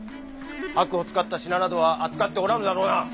箔を使った品などは扱っておらぬだろうな。